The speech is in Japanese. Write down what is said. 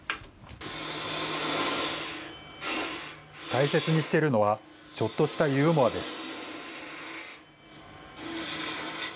大切にしているのは、ちょっとしたユーモアです。